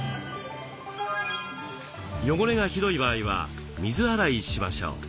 汚れがひどい場合は水洗いしましょう。